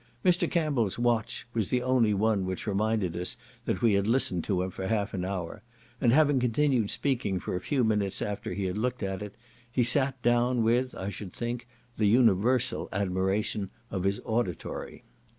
Mr. Campbell's watch was the only one which reminded us that we had listened to him for half an hour; and having continued speaking for a few minutes after he had looked at it, he sat down with, I should think, the universal admiration of his auditory.